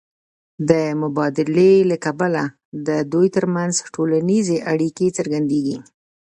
د مبادلې له کبله د دوی ترمنځ ټولنیزې اړیکې څرګندېږي